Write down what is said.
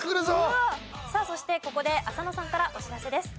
さあそしてここで浅野さんからお知らせです。